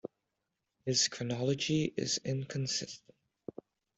His chronology is inconsistent.